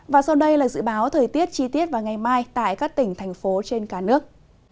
và sau đây là dự báo thời tiết chi tiết vào ngày mai tại các tỉnh thành phố trên cả nước